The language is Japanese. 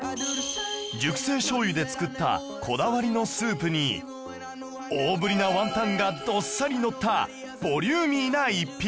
熟成醤油で作ったこだわりのスープに大ぶりなワンタンがどっさりのったボリューミーな一品